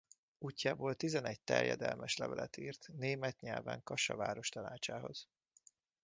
Útjából tizenegy terjedelmes levelet írt német nyelven Kassa város tanácsához.